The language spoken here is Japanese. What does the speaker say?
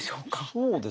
そうですね。